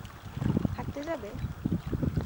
হাঁটতে যাবে?